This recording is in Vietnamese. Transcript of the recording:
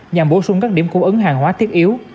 nhằm bổ sung các điểm cung ứng hàng hóa thiết yếu